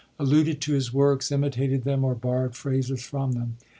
alluded to his works, imitated them, or borrowd phrases from them.